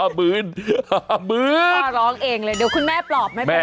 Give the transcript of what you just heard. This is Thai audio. ๕หมื่นพ่อร้องเองเลยเดี๋ยวคุณแม่ปลอบไม่เป็นไร